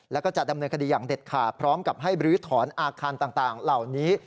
แล้วก็จะดำเนินคดีอย่างเด็ดขาดพร้อมกับให้บรื้อถอนอาคารต่างเหล่านี้